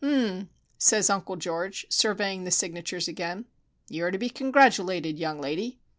"H m m!" says Uncle George, surveying the signatures again. "You are to be congratulated, young lady."